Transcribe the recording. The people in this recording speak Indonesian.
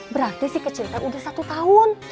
berarti si kecinta udah satu tahun